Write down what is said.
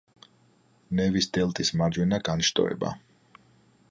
ნევის დელტის მარჯვენა განშტოება.